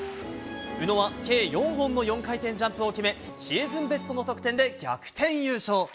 宇野は計４本の４回転ジャンプを決め、シーズンベストの得点で逆転優勝。